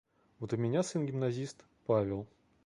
Вот у меня сын гимназист – Павел